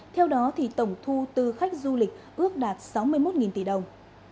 theo đó tổng thu tư khách du lịch ước đạt sáu mươi một tỷ đồng